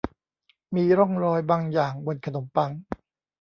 มีร่องรอยบางอย่างบนขนมปัง